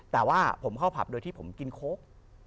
แต่ว่าผมเข้าผับโดยที่ผมกินโค้ก